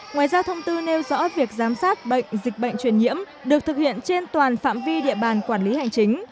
ngoài ra thông tư nêu rõ việc giám sát bệnh dịch bệnh truyền nhiễm được thực hiện trên toàn phạm vi địa bàn quản lý hành chính